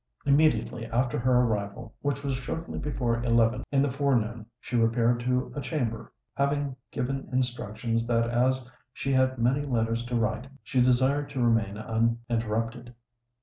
Immediately after her arrival, which was shortly before eleven in the forenoon, she repaired to a chamber, having given instructions that as she had many letters to write, she desired to remain uninterrupted.